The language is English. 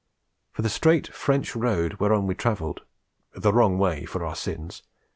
For the straight French road whereon we travelled the wrong way, for our sins!